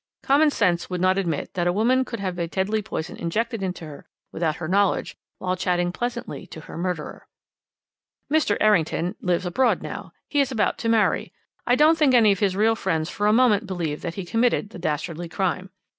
Common sense would not admit that a woman could have a deadly poison injected into her without her knowledge, while chatting pleasantly to her murderer. "Mr. Errington lives abroad now. He is about to marry. I don't think any of his real friends for a moment believed that he committed the dastardly crime.